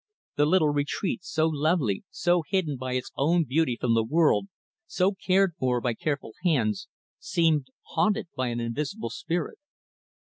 The little retreat so lovely, so hidden by its own beauty from the world, so cared for by careful hands seemed haunted by an invisible spirit.